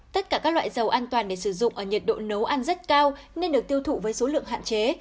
tất cả các loại dầu an toàn để sử dụng ở nhiệt độ nấu ăn rất cao nên được tiêu thụ với số lượng hạn chế